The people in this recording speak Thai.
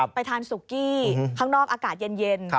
ไปทานสุกี้ข้างนอกอากาศเย็น